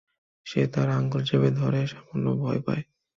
সে তার আঙ্গুল চেপে ধরে, সামান্য ভয় পায়।